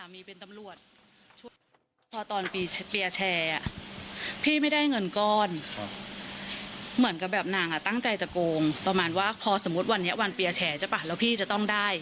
พี่เล่นที่เล่นเวลาเมื่อเปลี่ยน